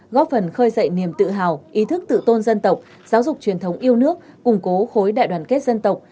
góp phần khơi dậy niềm tự hào ý thức tự tôn dân tộc giáo dục truyền thống yêu nước củng cố khối đại đoàn kết dân tộc